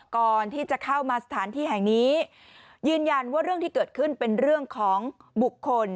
ก่อนที่จะเข้ามาสถานที่แห่งนี้ยืนยันว่าเรื่องที่เกิดขึ้นเป็นเรื่องของบุคคล